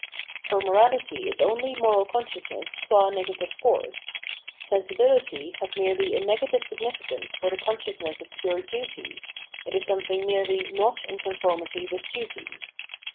For morahty is only moral consciousness qua negative force; sen sibility has merely a negative significance for the con sciousness of pure duty, it is something merely not in conformity with " duty.